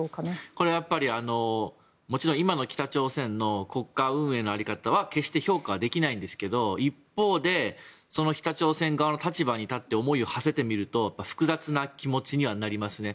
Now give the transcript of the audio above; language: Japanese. これはやっぱりもちろん今の北朝鮮の国家運営の在り方は決して評価できないんですが一方で北朝鮮側の立場に立って思いをはせてみると複雑な気持ちにはなりますね。